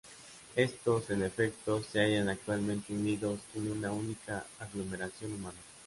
Estos, en efecto, se hallan actualmente unidos en una única aglomeración humana.